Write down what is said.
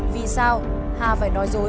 vì sao hà phải nói dối